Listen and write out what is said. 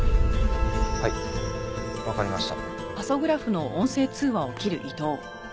はいわかりました。